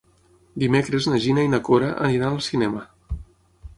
Dimecres na Gina i na Cora aniran al cinema.